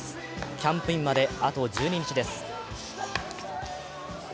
キャンプインまであと１２日です。